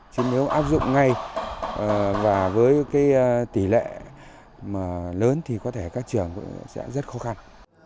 chứ nếu áp dụng ngay và với cái tỷ lệ mà lớn thì có thể các trường cũng sẽ rất khó khăn